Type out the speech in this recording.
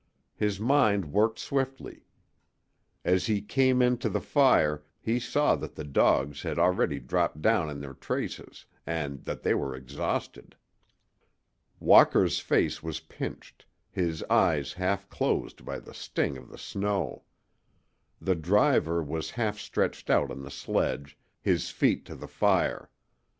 His mind worked swiftly. As he came in to the fire he saw that the dogs had already dropped down in their traces and that they were exhausted. Walker's face was pinched, his eyes half closed by the sting of the snow. The driver was half stretched out on the sledge, his feet to the fire.